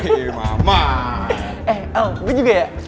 eh oh gue juga ya